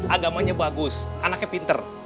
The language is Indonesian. agamanya bagus anaknya pinter